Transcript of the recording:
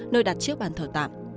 nơi đặt chiếc bàn thở tạm